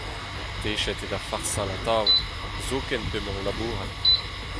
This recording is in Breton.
Techet eo da farsal atav, zoken p'emañ o labourat !